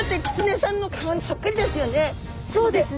そうですね。